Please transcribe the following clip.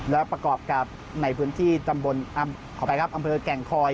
แล้วประกอบกับในพื้นที่ทำบนอำเภอแก่งคอย